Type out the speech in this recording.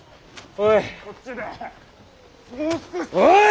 おい！